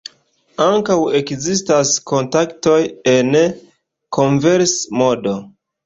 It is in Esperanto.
Ankaŭ ekzistas kontaktoj en konvers-modo.